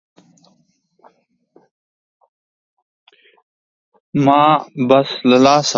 However, not every Mealy machine can be converted to an equivalent Moore machine.